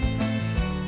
gak kena kan